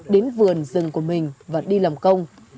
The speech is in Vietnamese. đến vườn rừng của mình và đi làm công